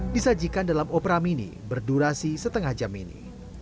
disajikan dalam opera mini berdurasi setengah jam ini